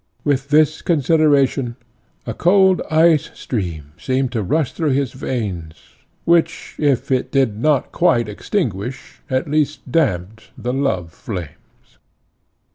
With this consideration a cold ice stream seemed to rush through his veins, which, if it did not quite extinguish, at least damped, the love flames.